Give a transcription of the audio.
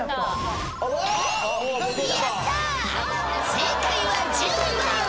「正解は１０番」